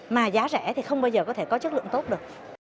mà giá rẻ thì không bao giờ có thể có chất lượng tốt được